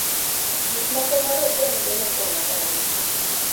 gik moko ma rotenge nopong'o kanyo